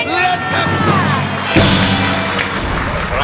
เล่นครับ